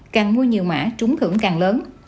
càng mua nhiều mã trúng thưởng càng lớn